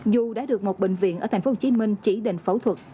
dù đã được một bệnh viện ở tp hcm chỉ định phẫu thuật